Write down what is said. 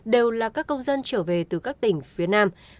đều là các công dân trở về từ các tỉnh phía nam